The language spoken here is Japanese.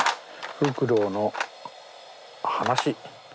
フクロウの話。